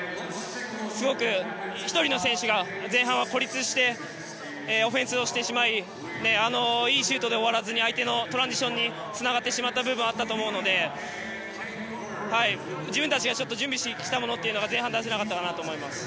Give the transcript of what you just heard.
１人の選手が前半は孤立してオフェンスをしてしまいいいシュートで終わらずに相手のトランジションにつながった部分があったと思うので自分たちが準備してきたものが前半出せなかったかなと思います。